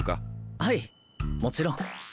はいもちろん。